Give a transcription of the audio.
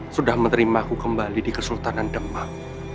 sudah menerimaku kembali di kesultanan demak